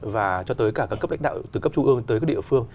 và cho tới cả các cấp lãnh đạo từ cấp trung ương tới các địa phương